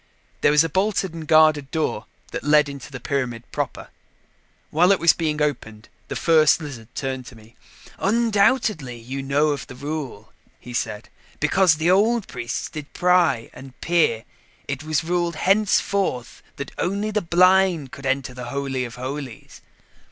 There was a bolted and guarded door that led into the pyramid proper. While it was being opened, the First Lizard turned to me. "Undoubtedly you know of the rule," he said. "Because the old priests did pry and peer, it was ruled henceforth that only the blind could enter the Holy of Holies."